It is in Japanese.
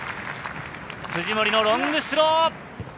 藤森のロングスロー。